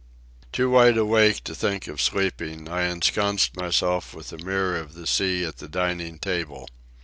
Too wide awake to think of sleeping, I ensconced myself with The Mirror of the Sea at the dining table.